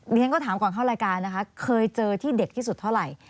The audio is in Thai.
เรียนก็ถามก่อนเข้ารายการนะคะเคยเจอที่เด็กที่สุดเท่าไหร่